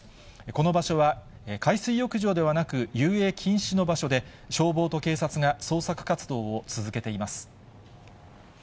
この場所は海水浴場ではなく、遊泳禁止の場所で、消防と警察が捜索活動を続けています。